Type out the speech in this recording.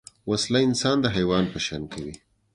وسله انسان د حیوان په شان کوي